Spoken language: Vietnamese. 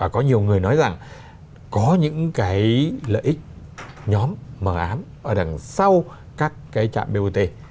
có nhiều người nói rằng có những cái lợi ích nhóm mở án ở đằng sau các cái trạm bot